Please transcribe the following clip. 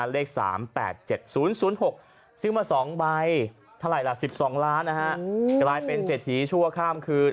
๓๒ล้านนะฮะกลายเป็นเศรษฐีชั่วข้ามคืน